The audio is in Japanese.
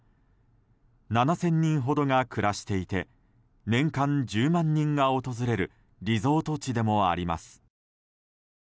７０００人ほどが暮らしていて年間１０万人が訪れるリゾート地でもあります。